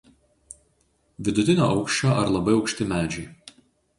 Vidutinio aukščio ar labai aukšti medžiai.